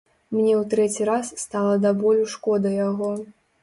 Мне ў трэці раз стала да болю шкода яго.